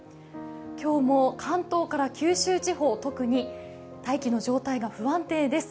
今日も関東から九州地方、特に大気の状態が不安定です。